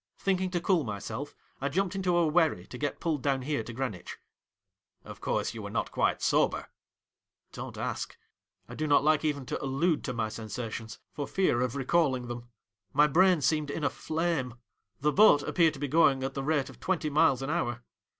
Thinking to cool myself, I jumped into a wherry to get pulled down here to Greenwich.' ' Of course you were not quite sober.' ' Don't ask ! I do not like even to allude to my sensations, for fear of recalling them. My brain seemed in a flame. The boat ap peared to be going at the rate of twenty miles an hour.